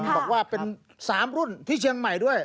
บอกว่าเป็น๓รุ่นที่เชียงใหม่ด้วย